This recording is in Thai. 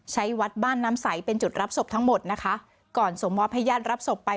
ใช้วัดบ้านน้ำใสเป็นจุดรับศพทั้งหมดนะคะก่อนส่งมอบให้ญาติรับศพไป